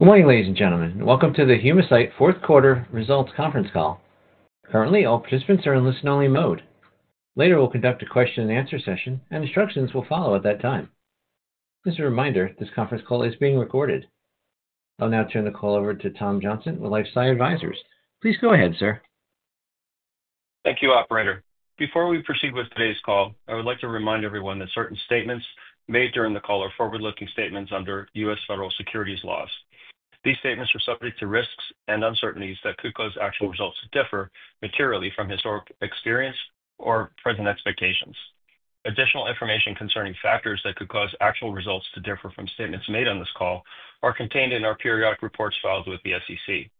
Good morning, ladies and gentlemen. Welcome to the Humacyte fourth quarter results conference call. Currently, all participants are in listen-only mode. Later, we'll conduct a question-and-answer session, and instructions will follow at that time. Just a reminder, this conference call is being recorded. I'll now turn the call over to Tom Johnson with LifeSci Advisors. Please go ahead, sir. Thank you, Operator. Before we proceed with today's call, I would like to remind everyone that certain statements made during the call are forward-looking statements under U.S. federal securities laws. These statements are subject to risks and uncertainties that could cause actual results to differ materially from historic experience or present expectations. Additional information concerning factors that could cause actual results to differ from statements made on this call are contained in our periodic reports filed with the SEC.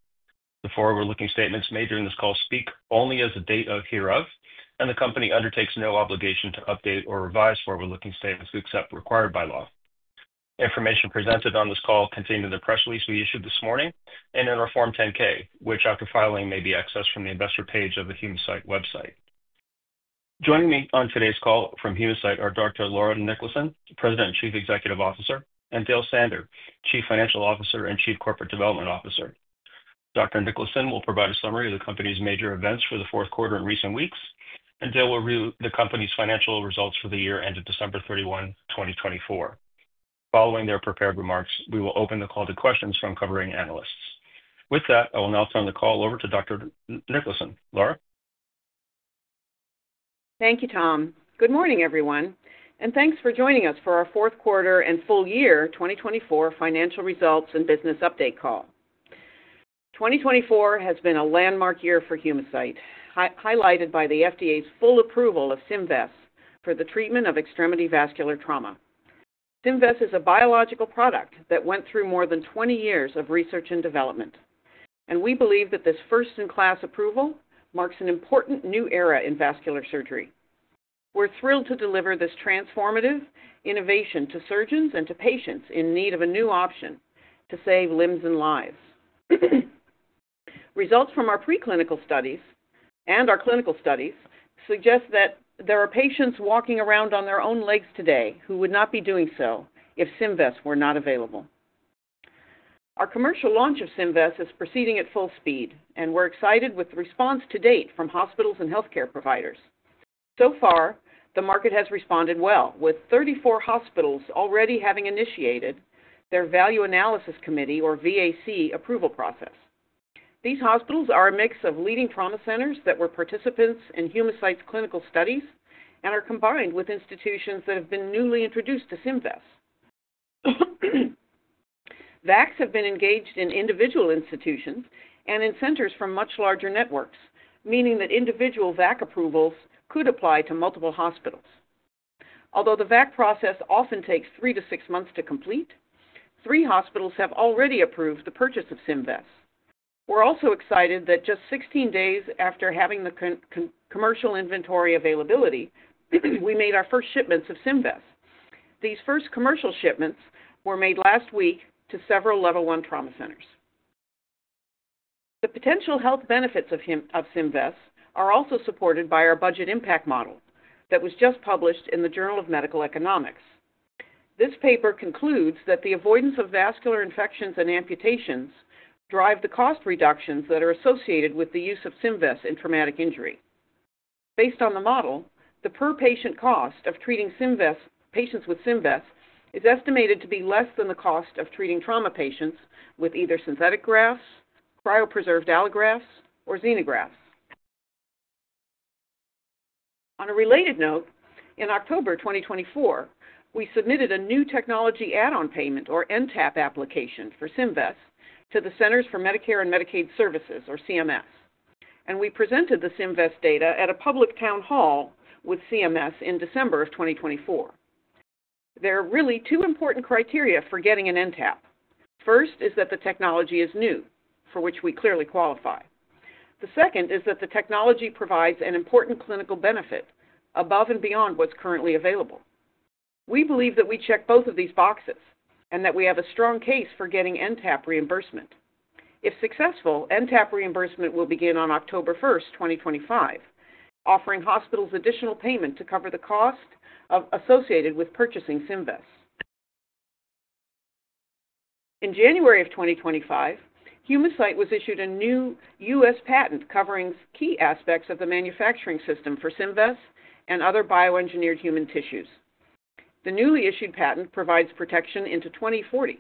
The forward-looking statements made during this call speak only as of the date hereof, and the company undertakes no obligation to update or revise forward-looking statements except as required by law. Information presented on this call is contained in the press release we issued this morning and in our Form 10-K, which, after filing, may be accessed from the investor page of the Humacyte website. Joining me on today's call from Humacyte are Dr. Laura Niklason, President and Chief Executive Officer, and Dale Sander, Chief Financial Officer and Chief Corporate Development Officer. Dr. Niklason will provide a summary of the company's major events for the fourth quarter in recent weeks, and Dale will review the company's financial results for the year ended December 31, 2024. Following their prepared remarks, we will open the call to questions from covering analysts. With that, I will now turn the call over to Dr. Niklason. Laura? Thank you, Tom. Good morning, everyone, and thanks for joining us for our fourth quarter and full year 2024 financial results and business update call. 2024 has been a landmark year for Humacyte, highlighted by the FDA's full approval of SYMVESS for the treatment of extremity vascular trauma. SYMVESS is a biological product that went through more than 20 years of research and development, and we believe that this first-in-class approval marks an important new era in vascular surgery. We're thrilled to deliver this transformative innovation to surgeons and to patients in need of a new option to save limbs and lives. Results from our preclinical studies and our clinical studies suggest that there are patients walking around on their own legs today who would not be doing so if SYMVESS were not available. Our commercial launch of SYMVESS is proceeding at full speed, and we're excited with the response to date from hospitals and healthcare providers. So far, the market has responded well, with 34 hospitals already having initiated their value analysis committee, or VAC, approval process. These hospitals are a mix of leading trauma centers that were participants in Humacyte's clinical studies and are combined with institutions that have been newly introduced to SYMVESS. VACs have been engaged in individual institutions and in centers from much larger networks, meaning that individual VAC approvals could apply to multiple hospitals. Although the VAC process often takes three to six months to complete, three hospitals have already approved the purchase of SYMVESS. We're also excited that just 16 days after having the commercial inventory availability, we made our first shipments of SYMVESS. These first commercial shipments were made last week to several level one trauma centers. The potential health benefits of SYMVESS are also supported by our budget impact model that was just published in the Journal of Medical Economics. This paper concludes that the avoidance of vascular infections and amputations drives the cost reductions that are associated with the use of SYMVESS in traumatic injury. Based on the model, the per patient cost of treating patients with SYMVESS is estimated to be less than the cost of treating trauma patients with either synthetic grafts, cryopreserved allografts, or xenografts. On a related note, in October 2024, we submitted a new technology add-on payment, or NTAP, application for SYMVESS to the Centers for Medicare and Medicaid Services, or CMS, and we presented the SYMVESS data at a public town hall with CMS in December of 2024. There are really two important criteria for getting an NTAP. First is that the technology is new, for which we clearly qualify. The second is that the technology provides an important clinical benefit above and beyond what's currently available. We believe that we check both of these boxes and that we have a strong case for getting NTAP reimbursement. If successful, NTAP reimbursement will begin on October 1, 2025, offering hospitals additional payment to cover the cost associated with purchasing SYMVESS. In January of 2025, Humacyte was issued a new U.S. patent covering key aspects of the manufacturing system for SYMVESS and other bioengineered human tissues. The newly issued patent provides protection into 2040.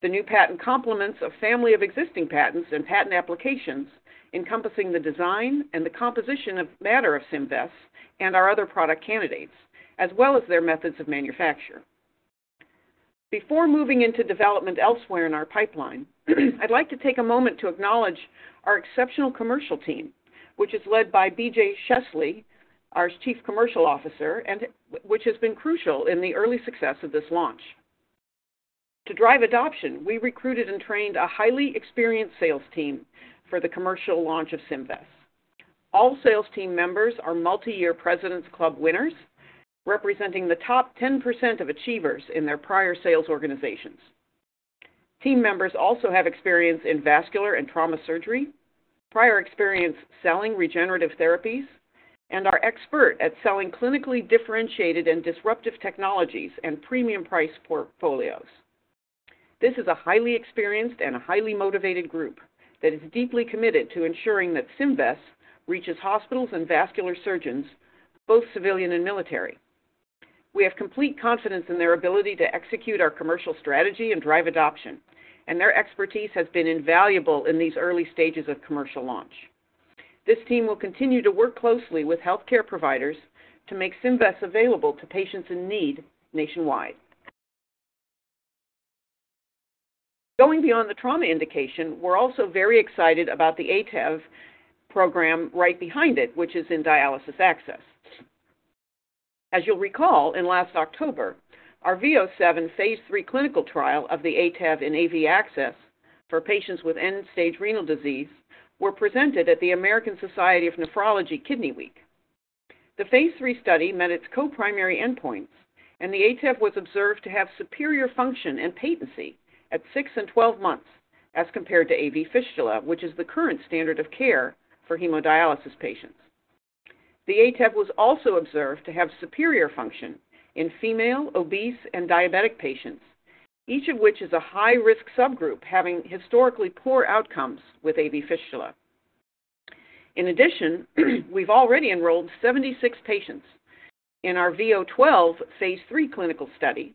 The new patent complements a family of existing patents and patent applications encompassing the design and the composition of matter of SYMVESS and our other product candidates, as well as their methods of manufacture. Before moving into development elsewhere in our pipeline, I'd like to take a moment to acknowledge our exceptional commercial team, which is led by BJ Scheessele, our Chief Commercial Officer, and which has been crucial in the early success of this launch. To drive adoption, we recruited and trained a highly experienced sales team for the commercial launch of SYMVESS. All sales team members are multi-year Presidents Club winners, representing the top 10% of achievers in their prior sales organizations. Team members also have experience in vascular and trauma surgery, prior experience selling regenerative therapies, and are expert at selling clinically differentiated and disruptive technologies and premium-priced portfolios. This is a highly experienced and a highly motivated group that is deeply committed to ensuring that SYMVESS reaches hospitals and vascular surgeons, both civilian and military. We have complete confidence in their ability to execute our commercial strategy and drive adoption, and their expertise has been invaluable in these early stages of commercial launch. This team will continue to work closely with healthcare providers to make SYMVESS available to patients in need nationwide. Going beyond the trauma indication, we're also very excited about the ATEV program right behind it, which is in dialysis access. As you'll recall, in last October, our V007 phase III clinical trial of the ATEV in AV access for patients with end-stage renal disease was presented at the American Society of Nephrology Kidney Week. The phase III study met its co-primary endpoints, and the ATEV was observed to have superior function and patency at six and 12 months as compared to AV fistula, which is the current standard of care for hemodialysis patients. The ATEV was also observed to have superior function in female, obese, and diabetic patients, each of which is a high-risk subgroup having historically poor outcomes with AV fistula. In addition, we've already enrolled 76 patients in our V012 phase III clinical study,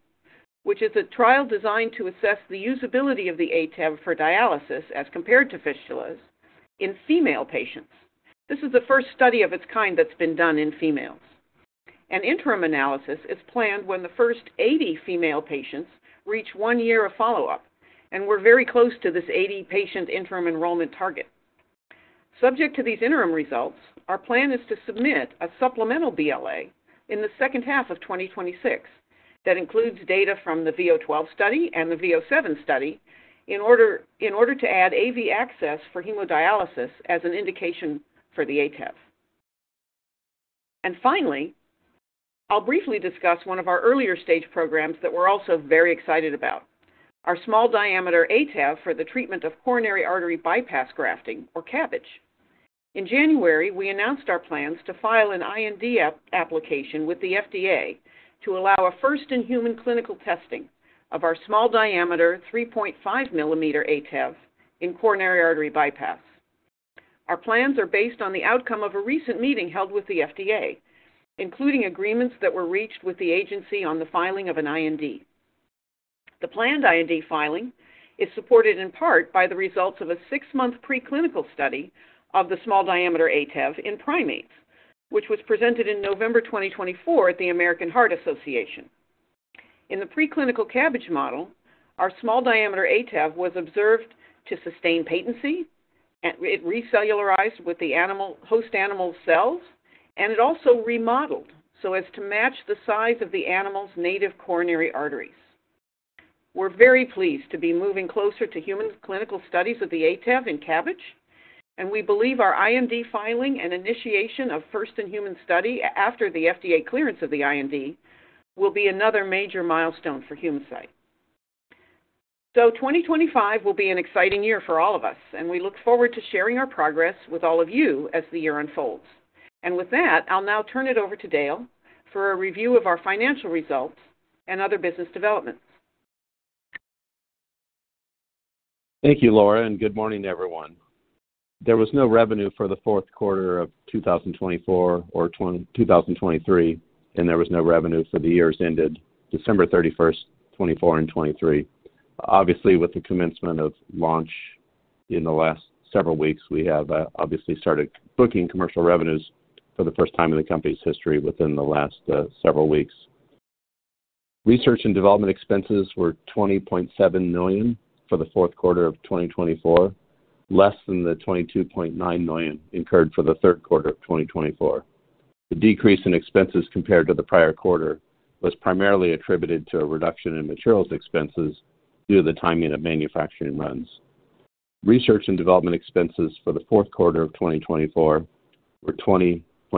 which is a trial designed to assess the usability of the ATEV for dialysis as compared to fistulas in female patients. This is the first study of its kind that's been done in females. An interim analysis is planned when the first 80 female patients reach one year of follow-up, and we're very close to this 80-patient interim enrollment target. Subject to these interim results, our plan is to submit a supplemental BLA in the second half of 2026 that includes data from the V012 study and the V007 study in order to add AV access for hemodialysis as an indication for the ATEV. Finally, I'll briefly discuss one of our earlier stage programs that we're also very excited about: our small diameter ATEV for the treatment of coronary artery bypass grafting, or CABG. In January, we announced our plans to file an IND application with the FDA to allow a first-in-human clinical testing of our small diameter 3.5 millimeter ATEV in coronary artery bypass. Our plans are based on the outcome of a recent meeting held with the FDA, including agreements that were reached with the agency on the filing of an IND. The planned IND filing is supported in part by the results of a six-month preclinical study of the small diameter ATEV in primates, which was presented in November 2024 at the American Heart Association. In the preclinical CABG model, our small diameter ATEV was observed to sustain patency, it recellularized with the host animal's cells, and it also remodeled so as to match the size of the animal's native coronary arteries. We are very pleased to be moving closer to human clinical studies of the ATEV in CABG, and we believe our IND filing and initiation of first-in-human study after the FDA clearance of the IND will be another major milestone for Humacyte. 2025 will be an exciting year for all of us, and we look forward to sharing our progress with all of you as the year unfolds. With that, I'll now turn it over to Dale for a review of our financial results and other business developments. Thank you, Laura, and good morning, everyone. There was no revenue for the fourth quarter of 2024 or 2023, and there was no revenue for the years ended December 31, 2024, and 2023. Obviously, with the commencement of launch in the last several weeks, we have obviously started booking commercial revenues for the first time in the company's history within the last several weeks. Research and development expenses were $20.7 million for the fourth quarter of 2024, less than the $22.9 million incurred for the third quarter of 2024. The decrease in expenses compared to the prior quarter was primarily attributed to a reduction in materials expenses due to the timing of manufacturing runs. Research and development expenses for the fourth quarter of 2024 were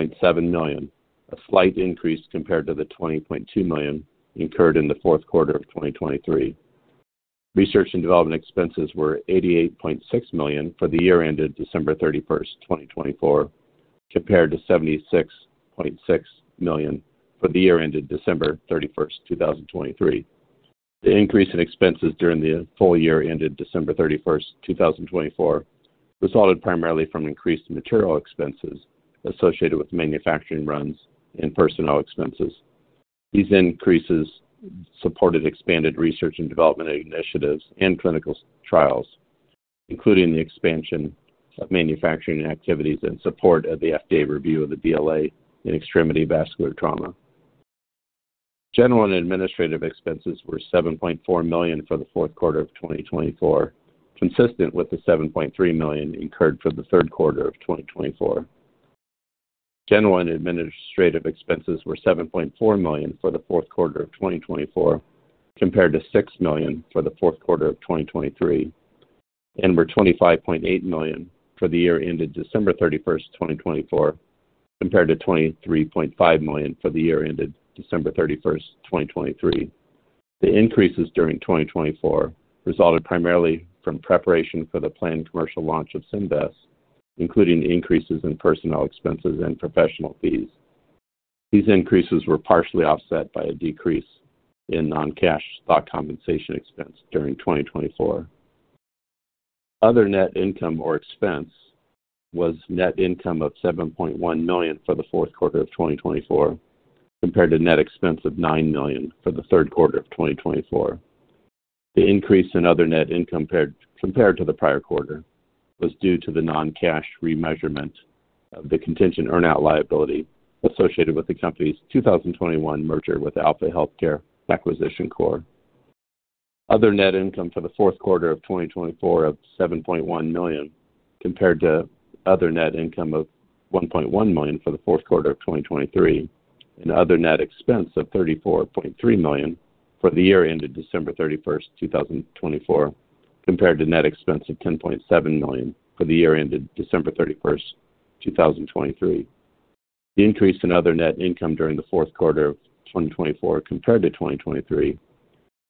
$20.7 million, a slight increase compared to the $20.2 million incurred in the fourth quarter of 2023. Research and development expenses were $88.6 million for the year ended December 31, 2024, compared to $76.6 million for the year ended December 31, 2023. The increase in expenses during the full year ended December 31, 2024, resulted primarily from increased material expenses associated with manufacturing runs and personnel expenses. These increases supported expanded research and development initiatives and clinical trials, including the expansion of manufacturing activities in support of the FDA review of the BLA in extremity vascular trauma. General and administrative expenses were $7.4 million for the fourth quarter of 2024, consistent with the $7.3 million incurred for the third quarter of 2024. General and administrative expenses were $7.4 million for the fourth quarter of 2024, compared to $6 million for the fourth quarter of 2023, and were $25.8 million for the year ended December 31, 2024, compared to $23.5 million for the year ended December 31, 2023. The increases during 2024 resulted primarily from preparation for the planned commercial launch of SYMVESS, including increases in personnel expenses and professional fees. These increases were partially offset by a decrease in non-cash stock compensation expense during 2024. Other net income or expense was net income of $7.1 million for the fourth quarter of 2024, compared to net expense of $9 million for the third quarter of 2024. The increase in other net income compared to the prior quarter was due to the non-cash remeasurement of the contingent earn-out liability associated with the company's 2021 merger with Alpha Healthcare Acquisition Corp. Other net income for the fourth quarter of 2024 of $7.1 million compared to other net income of $1.1 million for the fourth quarter of 2023, and other net expense of $34.3 million for the year ended December 31, 2024, compared to net expense of $10.7 million for the year ended December 31, 2023. The increase in other net income during the fourth quarter of 2024 compared to 2023,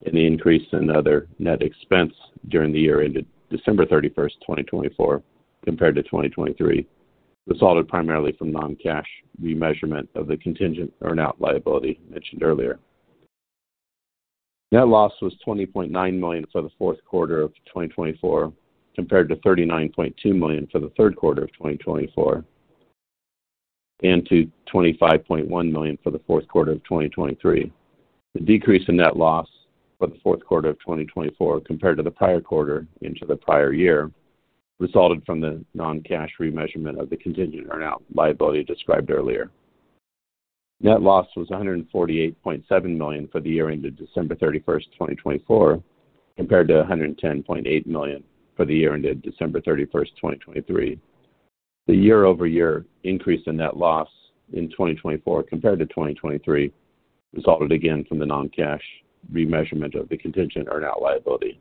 and the increase in other net expense during the year ended December 31, 2024, compared to 2023, resulted primarily from non-cash remeasurement of the contingent earn-out liability mentioned earlier. Net loss was $20.9 million for the fourth quarter of 2024, compared to $39.2 million for the third quarter of 2024, and to $25.1 million for the fourth quarter of 2023. The decrease in net loss for the fourth quarter of 2024 compared to the prior quarter and to the prior year resulted from the non-cash remeasurement of the contingent earn-out liability described earlier. Net loss was $148.7 million for the year ended December 31, 2024, compared to $110.8 million for the year ended December 31, 2023. The year-over-year increase in net loss in 2024 compared to 2023 resulted again from the non-cash remeasurement of the contingent earn-out liability.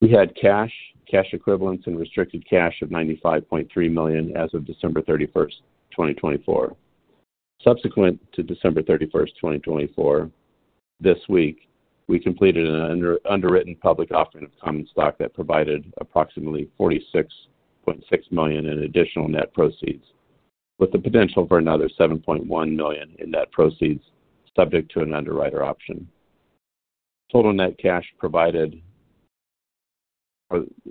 We had cash, cash equivalents, and restricted cash of $95.3 million as of December 31, 2024. Subsequent to December 31, 2024, this week, we completed an underwritten public offering of common stock that provided approximately $46.6 million in additional net proceeds, with the potential for another $7.1 million in net proceeds subject to an underwriter option. Total net cash provided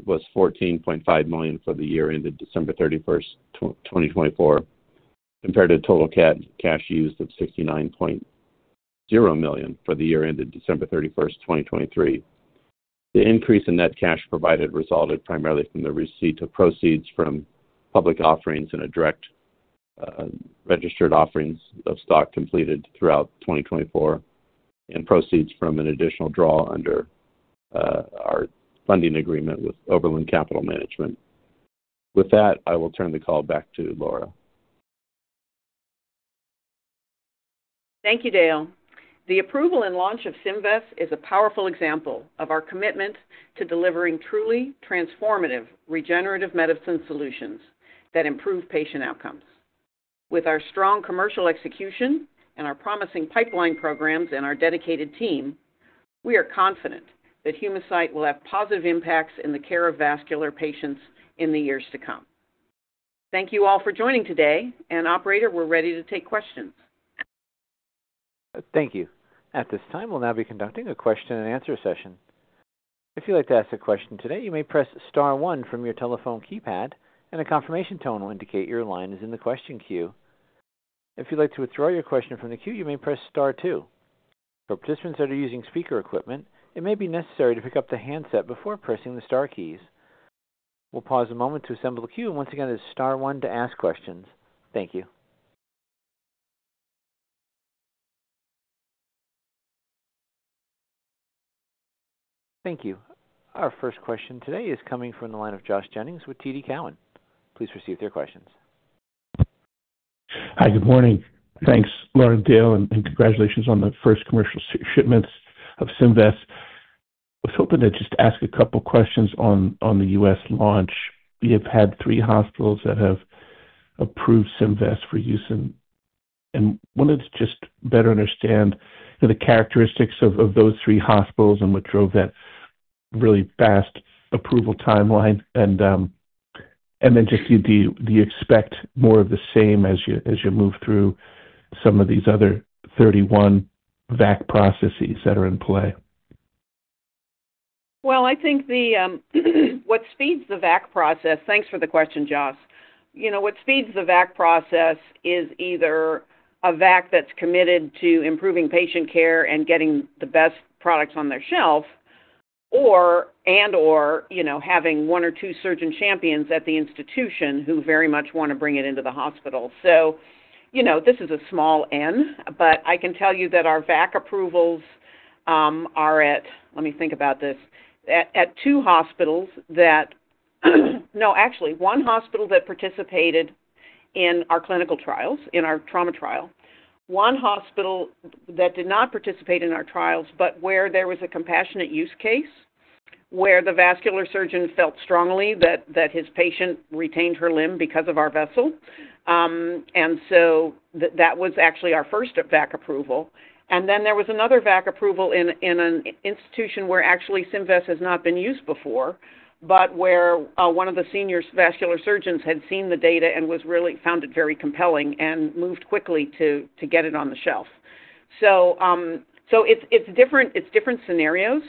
was $14.5 million for the year ended December 31, 2024, compared to total cash used of $69.0 million for the year ended December 31, 2023. The increase in net cash provided resulted primarily from the receipt of proceeds from public offerings and a direct registered offering of stock completed throughout 2024, and proceeds from an additional draw under our funding agreement with Oberland Capital Management. With that, I will turn the call back to Laura. Thank you, Dale. The approval and launch of SYMVESS is a powerful example of our commitment to delivering truly transformative regenerative medicine solutions that improve patient outcomes. With our strong commercial execution and our promising pipeline programs and our dedicated team, we are confident that Humacyte will have positive impacts in the care of vascular patients in the years to come. Thank you all for joining today, and Operator, we're ready to take questions. Thank you. At this time, we'll now be conducting a question-and-answer session. If you'd like to ask a question today, you may press Star 1 from your telephone keypad, and a confirmation tone will indicate your line is in the question queue. If you'd like to withdraw your question from the queue, you may press Star two. For participants that are using speaker equipment, it may be necessary to pick up the handset before pressing the Star keys. We'll pause a moment to assemble the queue, and once again, it is Star one to ask questions. Thank you. Thank you. Our first question today is coming from the line of Josh Jennings with TD Cowen. Please proceed with your questions. Hi, good morning. Thanks, Laura and Dale, and congratulations on the first commercial shipments of SYMVESS. I was hoping to just ask a couple of questions on the U.S. launch. You've had three hospitals that have approved SYMVESS for use in. I wanted to just better understand the characteristics of those three hospitals and what drove that really fast approval timeline. Do you expect more of the same as you move through some of these other 31 VAC processes that are in play? I think what speeds the VAC process—thanks for the question, Josh—what speeds the VAC process is either a VAC that's committed to improving patient care and getting the best products on their shelf, and/or having one or two surgeon champions at the institution who very much want to bring it into the hospital. This is a small N, but I can tell you that our VAC approvals are at—let me think about this—at two hospitals that—no, actually, one hospital that participated in our clinical trials, in our trauma trial. One hospital that did not participate in our trials, but where there was a compassionate use case, where the vascular surgeon felt strongly that his patient retained her limb because of our vessel. That was actually our first VAC approval. There was another VAC approval in an institution where actually SYMVESS has not been used before, but where one of the senior vascular surgeons had seen the data and found it very compelling and moved quickly to get it on the shelf. It is different scenarios,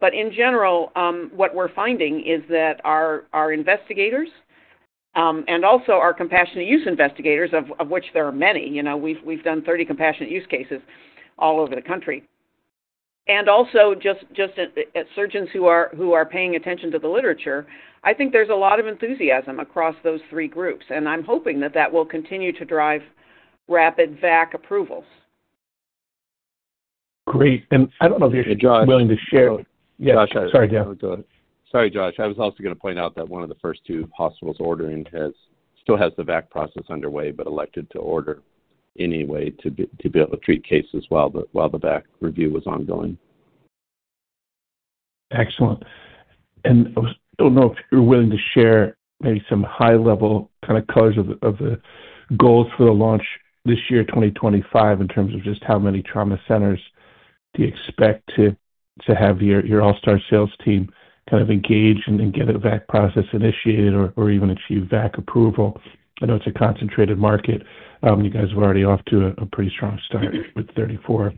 but in general, what we are finding is that our investigators and also our compassionate use investigators, of which there are many—we have done 30 compassionate use cases all over the country—and also just surgeons who are paying attention to the literature, I think there is a lot of enthusiasm across those three groups. I am hoping that will continue to drive rapid VAC approvals. Great. I don't know if you're willing to share. Josh. Sorry, Dale. Sorry, Josh. I was also going to point out that one of the first two hospitals ordering still has the VAC process underway, but elected to order anyway to be able to treat cases while the VAC review was ongoing. Excellent. I do not know if you're willing to share maybe some high-level kind of colors of the goals for the launch this year, 2025, in terms of just how many trauma centers do you expect to have your All-Star sales team kind of engage and get a VAC process initiated or even achieve VAC approval? I know it's a concentrated market. You guys were already off to a pretty strong start with 34.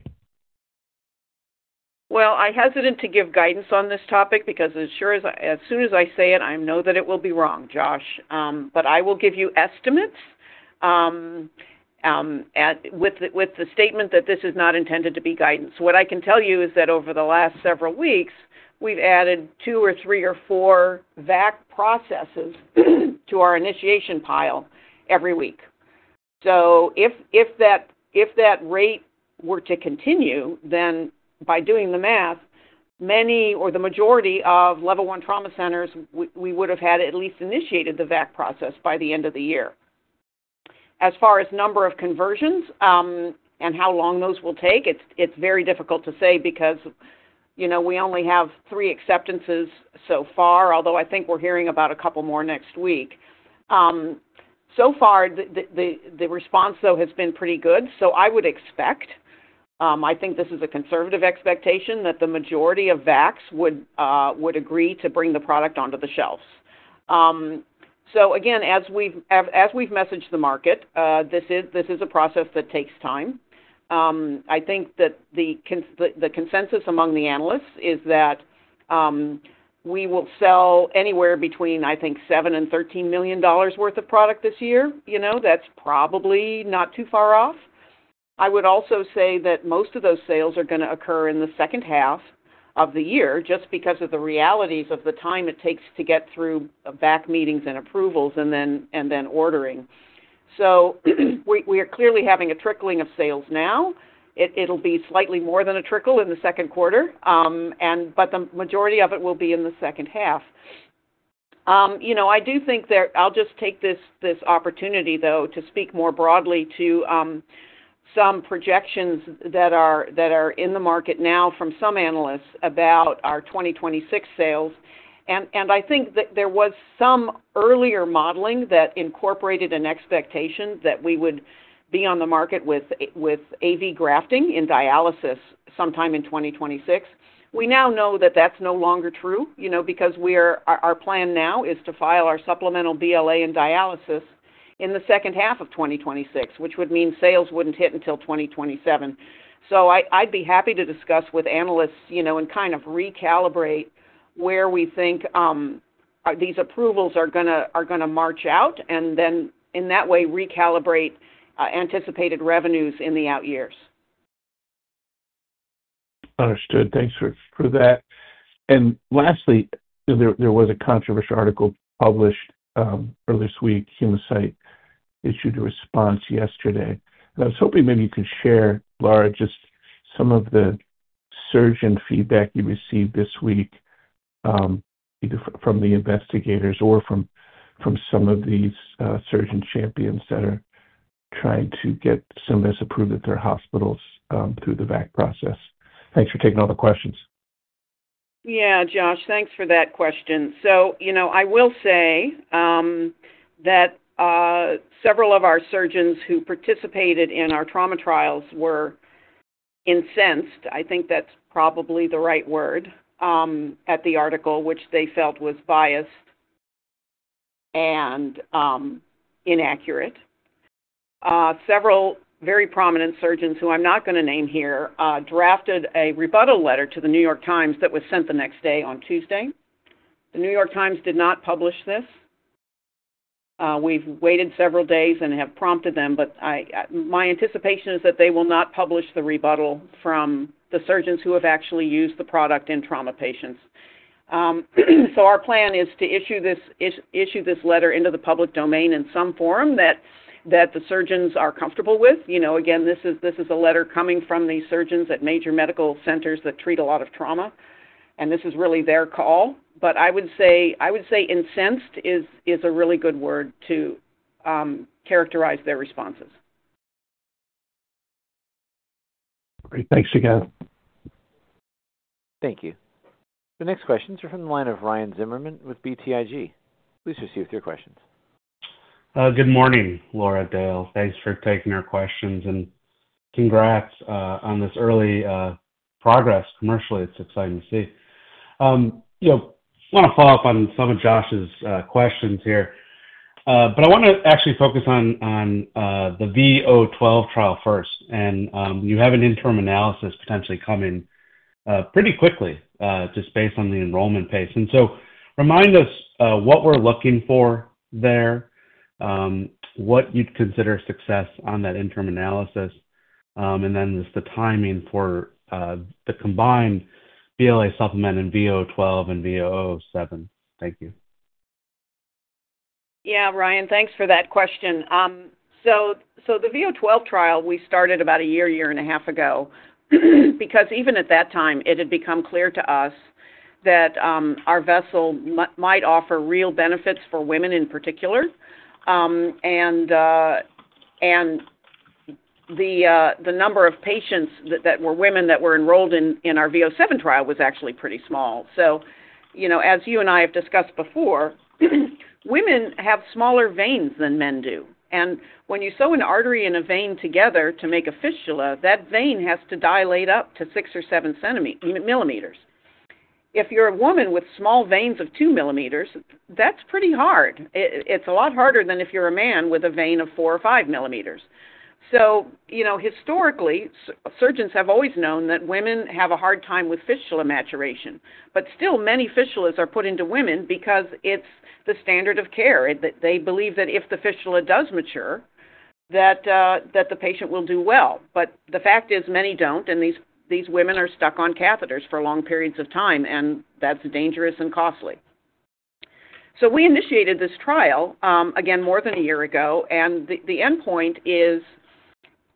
I'm hesitant to give guidance on this topic because as soon as I say it, I know that it will be wrong, Josh. I will give you estimates with the statement that this is not intended to be guidance. What I can tell you is that over the last several weeks, we've added two or three or four VAC processes to our initiation pile every week. If that rate were to continue, then by doing the math, many or the majority of level one trauma centers, we would have had at least initiated the VAC process by the end of the year. As far as number of conversions and how long those will take, it's very difficult to say because we only have three acceptances so far, although I think we're hearing about a couple more next week. So far, the response, though, has been pretty good. I would expect—I think this is a conservative expectation—that the majority of VACs would agree to bring the product onto the shelves. Again, as we've messaged the market, this is a process that takes time. I think that the consensus among the analysts is that we will sell anywhere between, I think, $7 million and $13 million worth of product this year. That's probably not too far off. I would also say that most of those sales are going to occur in the second half of the year just because of the realities of the time it takes to get through VAC meetings and approvals and then ordering. We are clearly having a trickling of sales now. It'll be slightly more than a trickle in the second quarter, but the majority of it will be in the second half. I do think that I'll just take this opportunity, though, to speak more broadly to some projections that are in the market now from some analysts about our 2026 sales. I think that there was some earlier modeling that incorporated an expectation that we would be on the market with AV grafting in dialysis sometime in 2026. We now know that that's no longer true because our plan now is to file our supplemental BLA in dialysis in the second half of 2026, which would mean sales wouldn't hit until 2027. I'd be happy to discuss with analysts and kind of recalibrate where we think these approvals are going to march out, and then in that way, recalibrate anticipated revenues in the out years. Understood. Thanks for that. Lastly, there was a controversial article published earlier this week. Humacyte issued a response yesterday. I was hoping maybe you could share, Laura, just some of the surgeon feedback you received this week either from the investigators or from some of these surgeon champions that are trying to get SYMVESS approved at their hospitals through the VAC process. Thanks for taking all the questions. Yeah, Josh, thanks for that question. I will say that several of our surgeons who participated in our trauma trials were incensed. I think that's probably the right word at the article, which they felt was biased and inaccurate. Several very prominent surgeons, who I'm not going to name here, drafted a rebuttal letter to The New York Times that was sent the next day on Tuesday. The New York Times did not publish this. We've waited several days and have prompted them, but my anticipation is that they will not publish the rebuttal from the surgeons who have actually used the product in trauma patients. Our plan is to issue this letter into the public domain in some form that the surgeons are comfortable with. Again, this is a letter coming from the surgeons at major medical centers that treat a lot of trauma, and this is really their call. I would say incensed is a really good word to characterize their responses. Great. Thanks again. Thank you. The next questions are from the line of Ryan Zimmerman with BTIG. Please proceed with your questions. Good morning, Laura and Dale. Thanks for taking our questions, and congrats on this early progress commercially. It's exciting to see. I want to follow up on some of Josh's questions here, but I want to actually focus on the VO12 trial first. You have an interim analysis potentially coming pretty quickly just based on the enrollment pace. Remind us what we're looking for there, what you'd consider success on that interim analysis, and then just the timing for the combined BLA supplement and VO12 and V007. Thank you. Yeah, Ryan, thanks for that question. The VO12 trial we started about a year, year and a half ago because even at that time, it had become clear to us that our vessel might offer real benefits for women in particular. The number of patients that were women that were enrolled in our V007 trial was actually pretty small. As you and I have discussed before, women have smaller veins than men do. When you sew an artery and a vein together to make a fistula, that vein has to dilate up to 6 or 7 centimeters. If you're a woman with small veins of 2 millimeters, that's pretty hard. It's a lot harder than if you're a man with a vein of 4 or 5 millimeters. Historically, surgeons have always known that women have a hard time with fistula maturation. Still, many fistulas are put into women because it's the standard of care. They believe that if the fistula does mature, that the patient will do well. The fact is many don't, and these women are stuck on catheters for long periods of time, and that's dangerous and costly. We initiated this trial, again, more than a year ago, and the endpoint is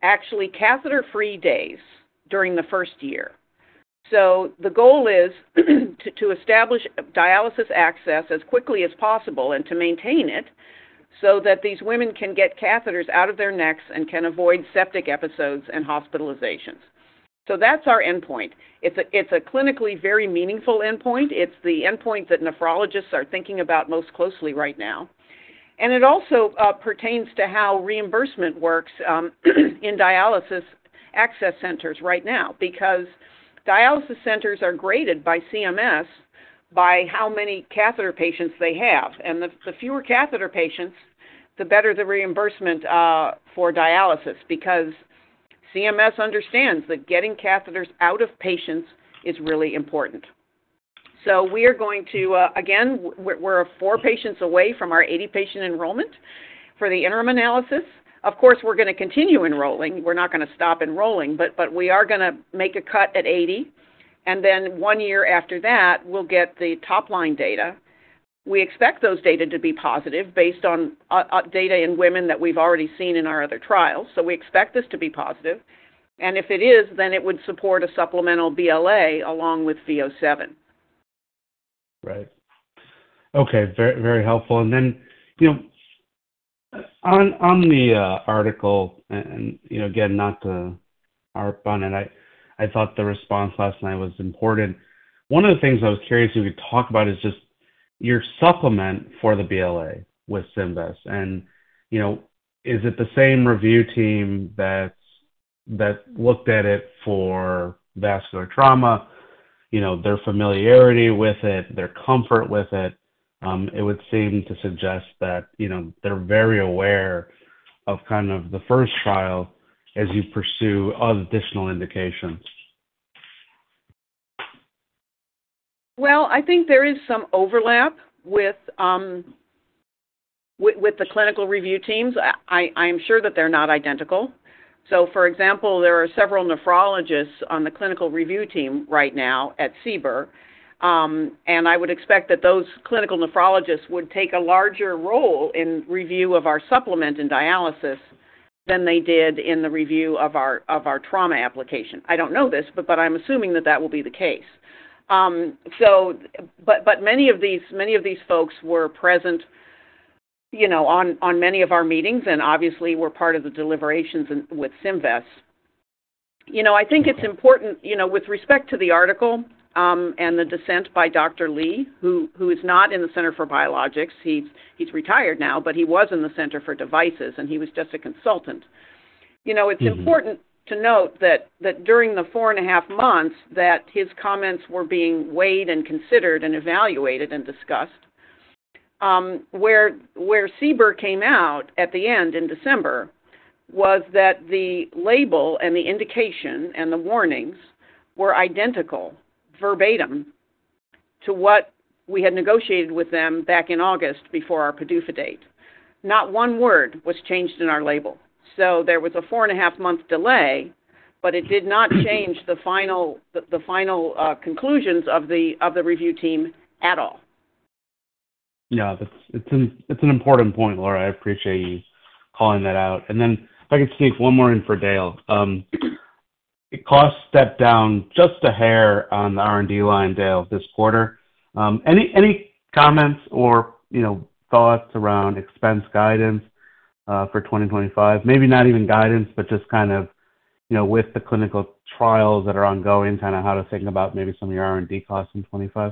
actually catheter-free days during the first year. The goal is to establish dialysis access as quickly as possible and to maintain it so that these women can get catheters out of their necks and can avoid septic episodes and hospitalizations. That's our endpoint. It's a clinically very meaningful endpoint. It's the endpoint that nephrologists are thinking about most closely right now. It also pertains to how reimbursement works in dialysis access centers right now because dialysis centers are graded by CMS by how many catheter patients they have. The fewer catheter patients, the better the reimbursement for dialysis because CMS understands that getting catheters out of patients is really important. We are going to, again, we're four patients away from our 80-patient enrollment for the interim analysis. Of course, we're going to continue enrolling. We're not going to stop enrolling, but we are going to make a cut at 80. One year after that, we'll get the top-line data. We expect those data to be positive based on data in women that we've already seen in our other trials. We expect this to be positive. If it is, then it would support a supplemental BLA along with V007. Right. Okay. Very helpful. On the article, and again, not to harp on it, I thought the response last night was important. One of the things I was curious if you could talk about is just your supplement for the BLA with SYMVESS. Is it the same review team that looked at it for vascular trauma, their familiarity with it, their comfort with it? It would seem to suggest that they're very aware of kind of the first trial as you pursue additional indications. I think there is some overlap with the clinical review teams. I am sure that they're not identical. For example, there are several nephrologists on the clinical review team right now at CBER, and I would expect that those clinical nephrologists would take a larger role in review of our supplement and dialysis than they did in the review of our trauma application. I don't know this, but I'm assuming that that will be the case. Many of these folks were present on many of our meetings and obviously were part of the deliberations with SYMVESS. I think it's important with respect to the article and the dissent by Dr. Lee, who is not in the Center for Biologics. He's retired now, but he was in the Center for Devices, and he was just a consultant. It's important to note that during the four and a half months that his comments were being weighed and considered and evaluated and discussed. Where CBER came out at the end in December was that the label and the indication and the warnings were identical verbatim to what we had negotiated with them back in August before our PDUFA date. Not one word was changed in our label. There was a four and a half month delay, but it did not change the final conclusions of the review team at all. Yeah. It's an important point, Laura. I appreciate you calling that out. If I could sneak one more in for Dale. It cost stepped down just a hair on the R&D line, Dale, this quarter. Any comments or thoughts around expense guidance for 2025? Maybe not even guidance, but just kind of with the clinical trials that are ongoing, kind of how to think about maybe some of your R&D costs in 2025?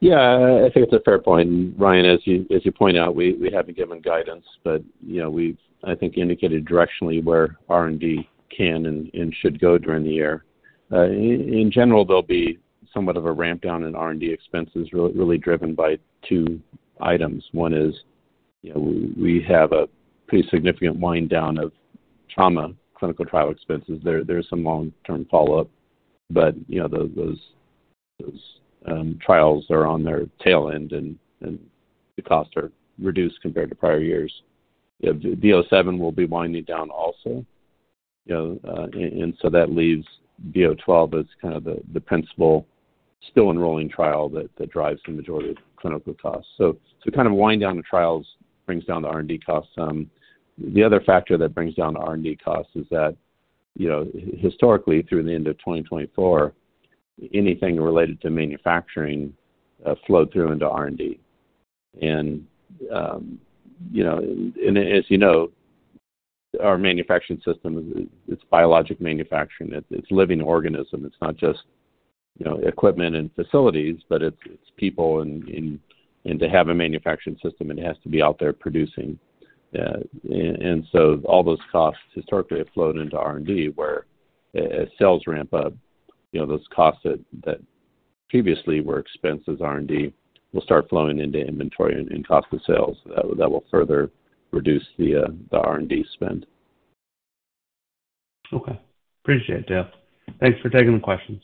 Yeah. I think it's a fair point. Ryan, as you point out, we haven't given guidance, but we've, I think, indicated directionally where R&D can and should go during the year. In general, there'll be somewhat of a ramp down in R&D expenses really driven by two items. One is we have a pretty significant wind down of trauma clinical trial expenses. There's some long-term follow-up, but those trials are on their tail end and the costs are reduced compared to prior years. V007 will be winding down also. That leaves VO12 as kind of the principal still enrolling trial that drives the majority of clinical costs. Kind of wind down the trials brings down the R&D costs. The other factor that brings down the R&D costs is that historically, through the end of 2024, anything related to manufacturing flowed through into R&D. As you know, our manufacturing system, it's biologic manufacturing. It's living organism. It's not just equipment and facilities, but it's people. To have a manufacturing system, it has to be out there producing. All those costs historically have flowed into R&D. Where as sales ramp up, those costs that previously were expenses R&D will start flowing into inventory and cost of sales that will further reduce the R&D spend. Okay. Appreciate it, Dale. Thanks for taking the questions.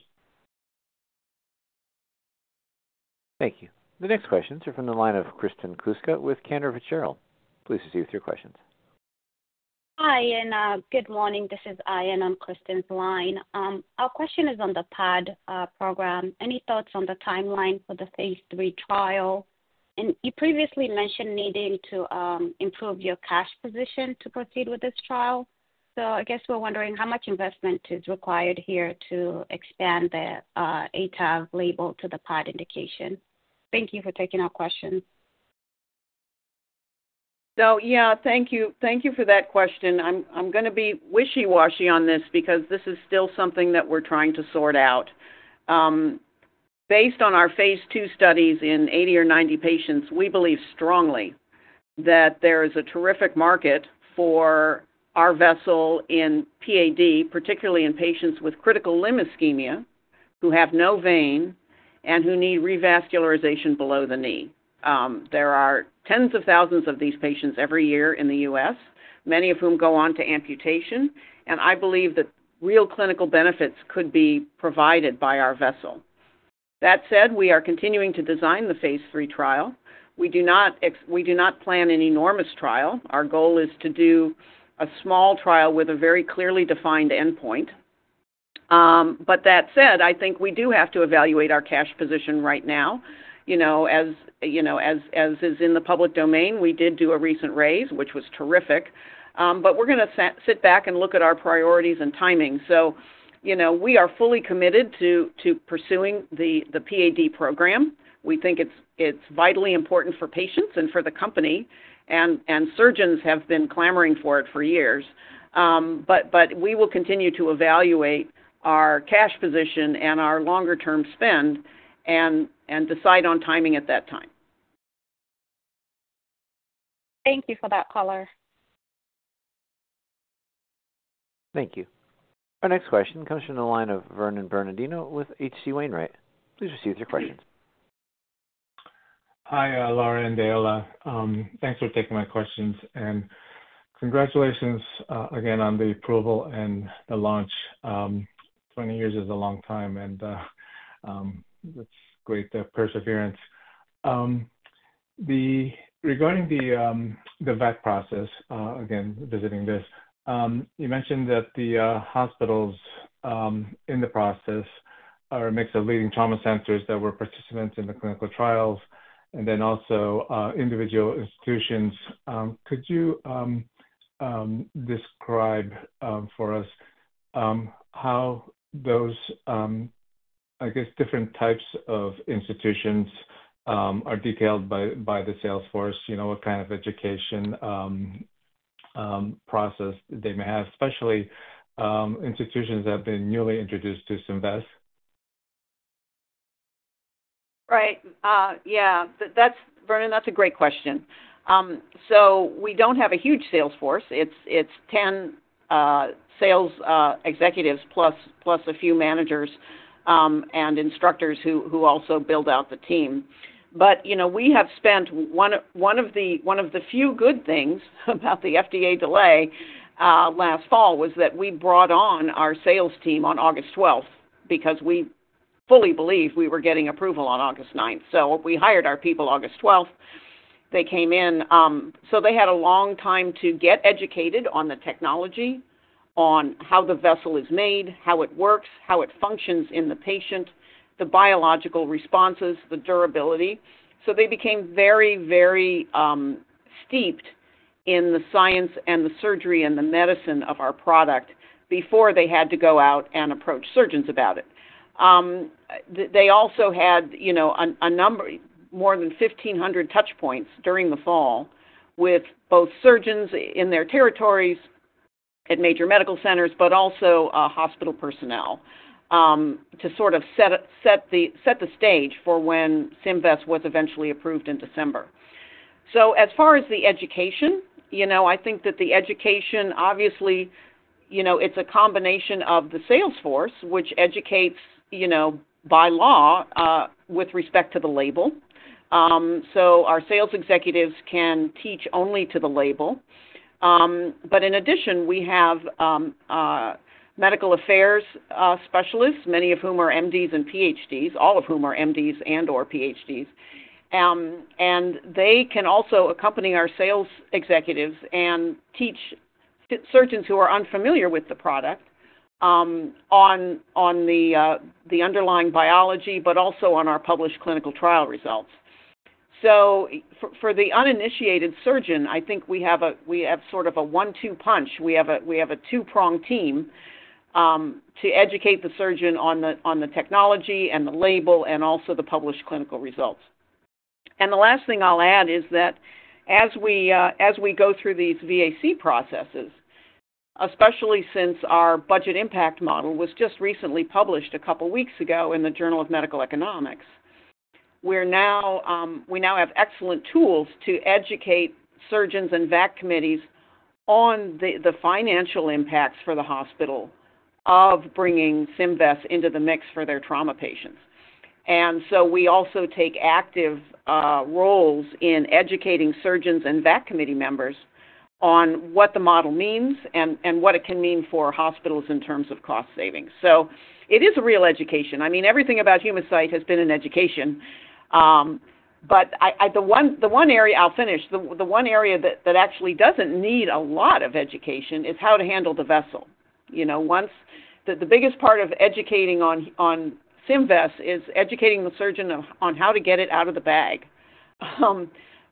Thank you. The next questions are from the line of Kristen Kluska with Cantor Fitzgerald. Please proceed with your questions. Hi, and good morning. This is Ayaan on Kristen's line. Our question is on the PAD program. Any thoughts on the timeline for the phase III trial? You previously mentioned needing to improve your cash position to proceed with this trial. I guess we're wondering how much investment is required here to expand the ATEV label to the PAD indication. Thank you for taking our questions. Thank you. Thank you for that question. I'm going to be wishy-washy on this because this is still something that we're trying to sort out. Based on our phase II studies in 80 or 90 patients, we believe strongly that there is a terrific market for our vessel in PAD, particularly in patients with critical limb ischemia who have no vein and who need revascularization below the knee. There are tens of thousands of these patients every year in the U.S., many of whom go on to amputation. I believe that real clinical benefits could be provided by our vessel. That said, we are continuing to design the phase III trial. We do not plan an enormous trial. Our goal is to do a small trial with a very clearly defined endpoint. That said, I think we do have to evaluate our cash position right now. As is in the public domain, we did do a recent raise, which was terrific. We are going to sit back and look at our priorities and timing. We are fully committed to pursuing the PAD program. We think it is vitally important for patients and for the company. Surgeons have been clamoring for it for years. We will continue to evaluate our cash position and our longer-term spend and decide on timing at that time. Thank you for that, Laura. Thank you. Our next question comes from the line of Vernon Bernardino with H.C. Wainwright. Please proceed with your questions. Hi, Laura and Dale. Thanks for taking my questions. Congratulations again on the approval and the launch. Twenty years is a long time, and that's great perseverance. Regarding the VAC process, visiting this, you mentioned that the hospitals in the process are a mix of leading trauma centers that were participants in the clinical trials and then also individual institutions. Could you describe for us how those, I guess, different types of institutions are detailed by the salesforce? What kind of education process they may have, especially institutions that have been newly introduced to SYMVESS? Right. Yeah. Vernon, that's a great question. We don't have a huge salesforce. It's 10 sales executives plus a few managers and instructors who also build out the team. One of the few good things about the FDA delay last fall was that we brought on our sales team on August 12 because we fully believe we were getting approval on August 9. We hired our people August 12. They came in. They had a long time to get educated on the technology, on how the vessel is made, how it works, how it functions in the patient, the biological responses, the durability. They became very, very steeped in the science and the surgery and the medicine of our product before they had to go out and approach surgeons about it. They also had a number, more than 1,500 touchpoints during the fall with both surgeons in their territories at major medical centers, but also hospital personnel to sort of set the stage for when SYMVESS was eventually approved in December. As far as the education, I think that the education, obviously, it's a combination of the salesforce, which educates by law with respect to the label. Our sales executives can teach only to the label. In addition, we have medical affairs specialists, many of whom are MDs and PhDs, all of whom are MDs and/or PhDs. They can also accompany our sales executives and teach surgeons who are unfamiliar with the product on the underlying biology, but also on our published clinical trial results. For the uninitiated surgeon, I think we have sort of a one-two punch. We have a two-prong team to educate the surgeon on the technology and the label and also the published clinical results. The last thing I'll add is that as we go through these VAC processes, especially since our budget impact model was just recently published a couple of weeks ago in the Journal of Medical Economics, we now have excellent tools to educate surgeons and VAC committees on the financial impacts for the hospital of bringing SYMVESS into the mix for their trauma patients. We also take active roles in educating surgeons and VAC committee members on what the model means and what it can mean for hospitals in terms of cost savings. It is a real education. I mean, everything about Humacyte has been an education. The one area I'll finish, the one area that actually doesn't need a lot of education is how to handle the vessel. The biggest part of educating on SYMVESS is educating the surgeon on how to get it out of the bag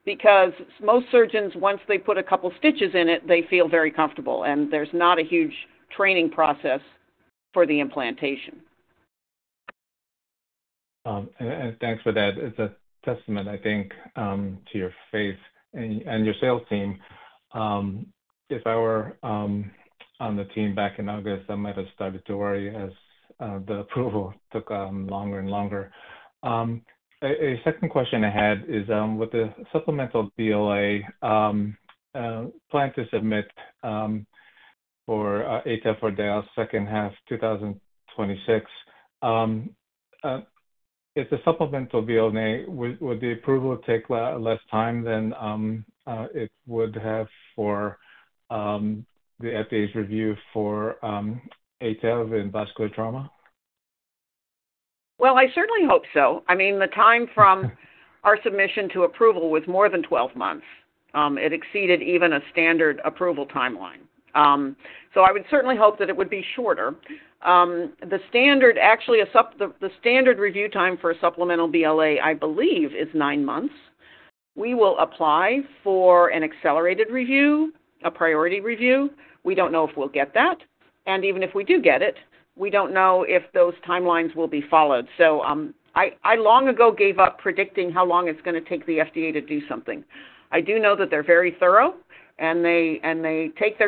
because most surgeons, once they put a couple of stitches in it, they feel very comfortable. There is not a huge training process for the implantation. Thanks for that. It's a testament, I think, to your faith and your sales team. If I were on the team back in August, I might have started to worry as the approval took longer and longer. A second question I had is with the supplemental BLA plan to submit for ATEV or Dale second half 2026, if the supplemental BLA, would the approval take less time than it would have for the FDA's review for ATEV and vascular trauma? I certainly hope so. I mean, the time from our submission to approval was more than 12 months. It exceeded even a standard approval timeline. I would certainly hope that it would be shorter. The standard review time for a supplemental BLA, I believe, is nine months. We will apply for an accelerated review, a priority review. We do not know if we will get that. Even if we do get it, we do not know if those timelines will be followed. I long ago gave up predicting how long it is going to take the FDA to do something. I do know that they are very thorough and they take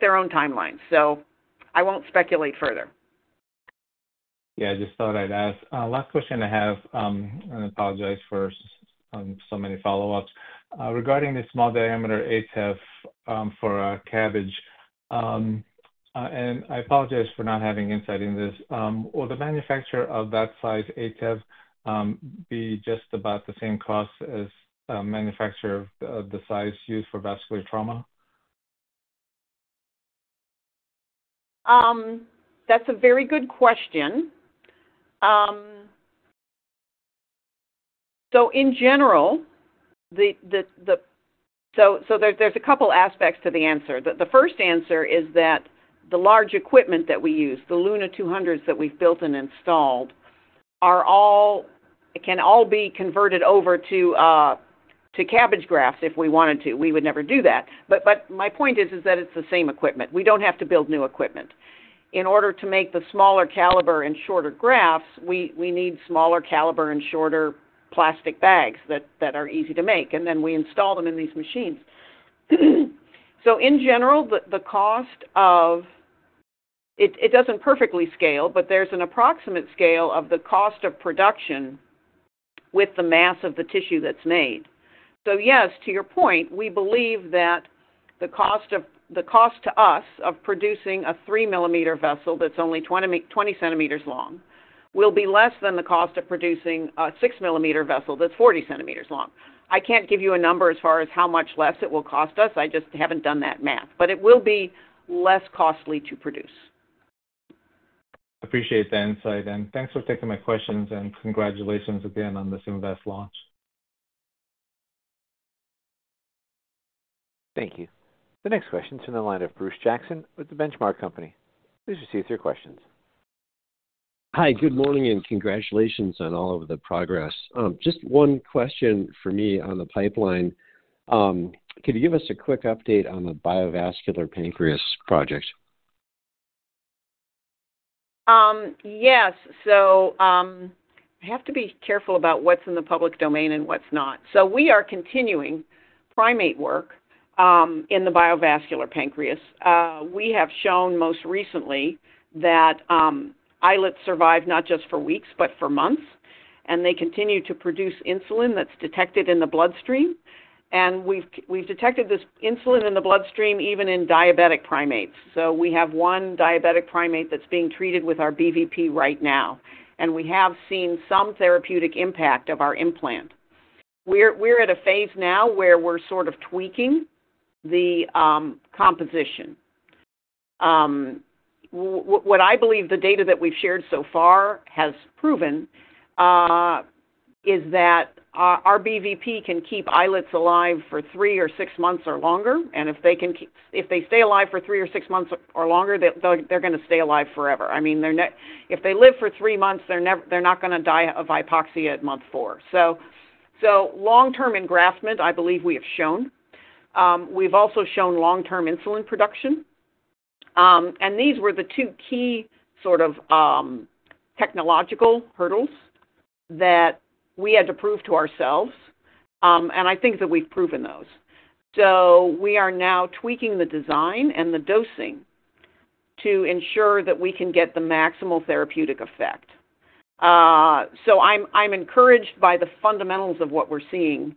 their own timelines. I will not speculate further. Yeah. I just thought I'd ask. Last question I have, and I apologize for so many follow-ups. Regarding the small diameter ATEV for CABG, and I apologize for not having insight into this, will the manufacturer of that size ATEV be just about the same cost as manufacturer of the size used for vascular trauma? That's a very good question. In general, there's a couple of aspects to the answer. The first answer is that the large equipment that we use, the LUNA 200s that we've built and installed, can all be converted over to CABG grafts if we wanted to. We would never do that. My point is that it's the same equipment. We don't have to build new equipment. In order to make the smaller caliber and shorter grafts, we need smaller caliber and shorter plastic bags that are easy to make. Then we install them in these machines. In general, the cost of it doesn't perfectly scale, but there's an approximate scale of the cost of production with the mass of the tissue that's made. Yes, to your point, we believe that the cost to us of producing a 3-millimeter vessel that's only 20 centimeters long will be less than the cost of producing a 6-millimeter vessel that's 40 centimeters long. I can't give you a number as far as how much less it will cost us. I just haven't done that math. It will be less costly to produce. Appreciate the insight. Thanks for taking my questions. Congratulations again on the SYMVESS launch. Thank you. The next question is from the line of Bruce Jackson with The Benchmark Company. Please proceed with your questions. Hi, good morning and congratulations on all of the progress. Just one question for me on the pipeline. Could you give us a quick update on the biovascular pancreas project? Yes. I have to be careful about what's in the public domain and what's not. We are continuing primate work in the biovascular pancreas. We have shown most recently that islets survive not just for weeks, but for months. They continue to produce insulin that's detected in the bloodstream. We have detected this insulin in the bloodstream even in diabetic primates. We have one diabetic primate that's being treated with our BVP right now. We have seen some therapeutic impact of our implant. We're at a phase now where we're sort of tweaking the composition. What I believe the data that we've shared so far has proven is that our BVP can keep islets alive for three or six months or longer. If they stay alive for three or six months or longer, they're going to stay alive forever. I mean, if they live for three months, they're not going to die of hypoxia at month four. Long-term engraftment, I believe we have shown. We've also shown long-term insulin production. These were the two key sort of technological hurdles that we had to prove to ourselves. I think that we've proven those. We are now tweaking the design and the dosing to ensure that we can get the maximal therapeutic effect. I'm encouraged by the fundamentals of what we're seeing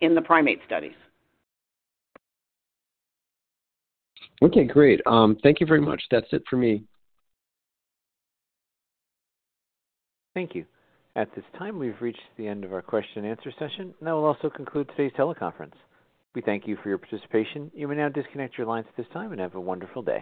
in the primate studies. Okay. Great. Thank you very much. That's it for me. Thank you. At this time, we've reached the end of our question-and-answer session. That will also conclude today's teleconference. We thank you for your participation. You may now disconnect your lines at this time and have a wonderful day.